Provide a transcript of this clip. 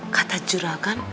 kata curah kan